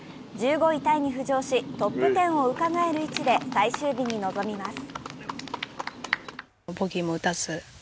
１５位タイに浮上し、トップ１０をうかがえる位置で最終日に臨みます。